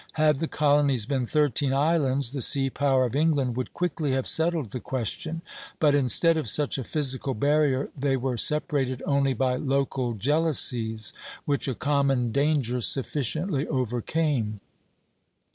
Had the colonies been thirteen islands, the sea power of England would quickly have settled the question; but instead of such a physical barrier they were separated only by local jealousies which a common danger sufficiently overcame.